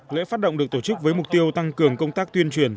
lễ phát động được tổ chức với mục tiêu tăng cường công tác tuyên truyền